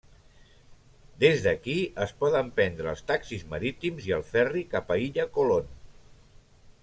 Des d'aquí es poden prendre els taxis marítims i el Ferri cap a Illa Colón.